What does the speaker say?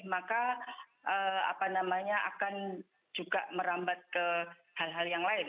maka akan juga merambat ke hal hal yang lain